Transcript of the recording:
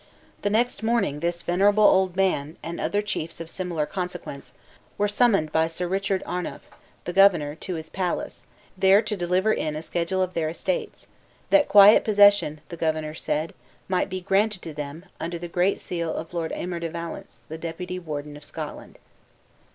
The next morning this venerable old man, and other chiefs of similar consequence, were summoned by Sir Richard Arnuf, the governor, to his palace, there to deliver in a schedule of their estates; "that quiet possession," the governor said, "might be granted to them, under the great seal of Lord Aymer de Valence, the deputy warden of Scotland."